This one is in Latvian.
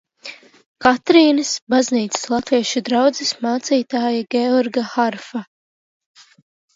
Katrīnas baznīcas latviešu draudzes mācītāja Georga Harfa.